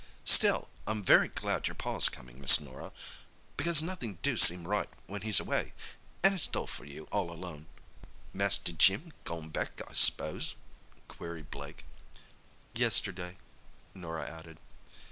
Still I'm very glad your Pa's coming, Miss Norah, because nothing do seem right when he's away—an' it's dull for you, all alone." "Master Jim gone back, I s'pose?" queried Blake. "Yesterday," Norah added.